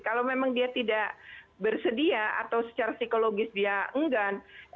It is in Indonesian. kalau memang dia tidak bersedia atau secara psikologis dia enggan